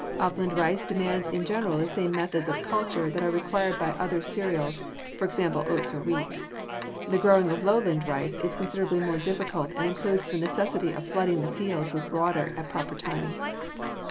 Upland rice demands in general the same methods of culture that are required by other cereals, for example, oats or wheat. The growing of lowland rice is considerably more difficult and includes the necessity of flooding the fields with water at proper times.